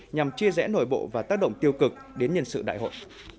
nhằm chia rẽ nội bộ và tác động tiêu cực đến nhân sự đại hội